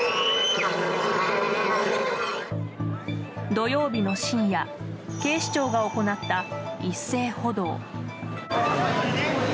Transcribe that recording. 土曜日の深夜警視庁が行った一斉補導。